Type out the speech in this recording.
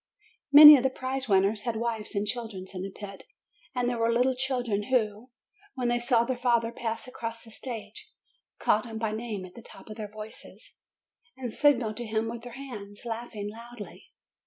Many of the prize winners had wives and children in the pit, and there were little children who, when they saw their father pass across the stage, called him by name at the tops of their voices, and signalled to him with their hands, laughing loudly.